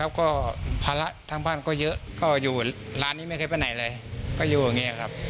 แล้วก็ภาระทางบ้านก็เยอะก็อยู่ร้านนี้ไม่เคยไปไหนเลยก็อยู่อย่างนี้ครับ